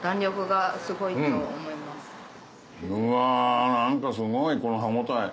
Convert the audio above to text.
うわ何かすごいこの歯応え。